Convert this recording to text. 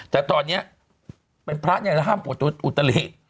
แต่ตอนนี้เป็นพระเนี่ยแล้วห้ามปวดตัวอุตลิ